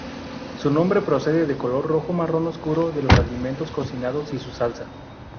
Su nombre procede del color rojo-marrón oscuro de los alimentos cocinados y su salsa.